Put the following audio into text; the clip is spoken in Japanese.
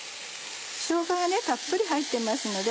しょうががたっぷり入ってますので。